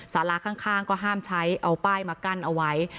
สาราข้างก็ห้ามใช้เอาป้ายมากั้นเอาไว้